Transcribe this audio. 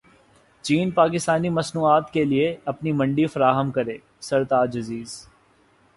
چین پاکستانی مصنوعات کیلئے اپنی منڈی فراہم کرے سرتاج عزیز